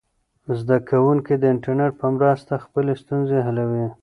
زده کوونکي د انټرنیټ په مرسته خپلې ستونزې حلوي.